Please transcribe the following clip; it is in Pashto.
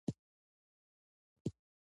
ژبه د خپلې خاورې غږ دی